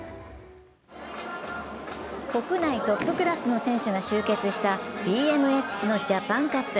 国内トップクラスの選手が集結したＢＭＸのジャパンカップ。